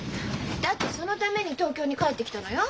だってそのために東京に帰ってきたのよ。